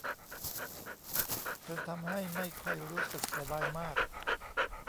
จนทำให้ไม่ค่อยรู้สึกเสียดายมาก